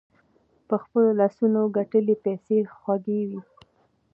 په خپلو لاسونو ګتلي پیسې خوږې وي.